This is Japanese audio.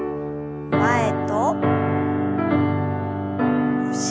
前と後ろへ。